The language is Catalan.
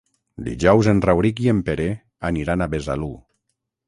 Dijous en Rauric i en Pere aniran a Besalú.